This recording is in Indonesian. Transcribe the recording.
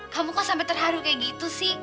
kamu kok sampai terharu kayak gitu sih